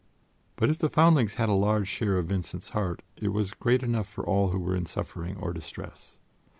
But if the foundlings had a large share of Vincent's heart, it was great enough for all who were in suffering or distress.